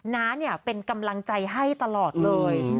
น้าเป็นกำลังใจให้ตลอดเลย